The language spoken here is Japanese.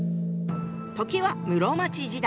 時は室町時代。